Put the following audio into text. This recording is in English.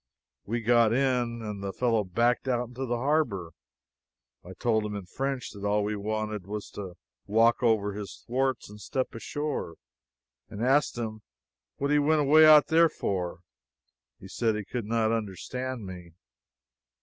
We got in and the fellow backed out into the harbor. I told him in French that all we wanted was to walk over his thwarts and step ashore, and asked him what he went away out there for. He said he could not understand me.